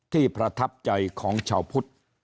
ประทับใจของชาวพุทธ